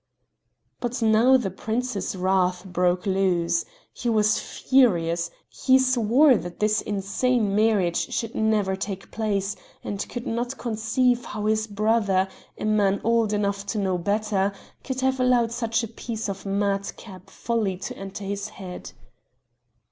But now the prince's wrath broke loose he was furious; he swore that this insane marriage should never take place, and could not conceive how his brother a man old enough to know better could have allowed such a piece of madcap folly to enter his head.